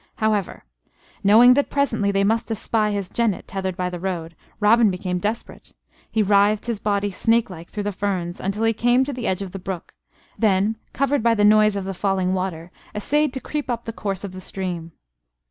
However, knowing that presently they must espy his jennet tethered by the road, Robin became desperate. He writhed his body snake like through the ferns until he came to the edge of the brook; then, covered by the noise of the falling water, essayed to creep up the course of the stream.